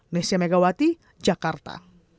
nesya megawati jakarta